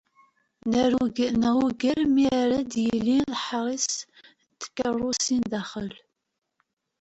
Neɣ ugar mi ara d-yili leḥris n tkerrusin daxel.